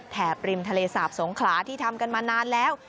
บริมทะเลสาบสงขลาที่ทำกันมานานแล้ว